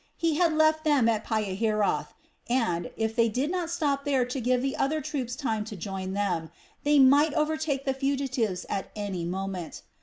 He had left them at Pihahiroth and, if they did not stop there to give the other troops time to join them, they might overtake the fugitives at any moment.